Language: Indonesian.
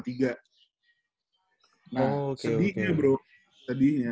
nah sedihnya bro sedihnya